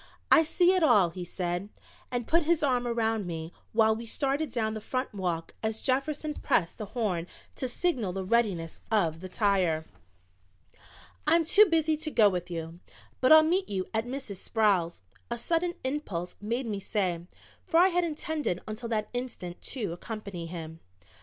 "I see it all," he said, and put his arm around me while we started down the front walk as Jefferson pressed the horn to signal the readiness of the tire. "I'm too busy to go with you, but I'll meet you at Mrs. Sproul's," a sudden impulse made me say, for I had intended until that instant to accompany him.